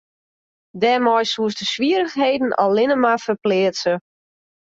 Dêrmei soest de swierrichheden allinne mar ferpleatse.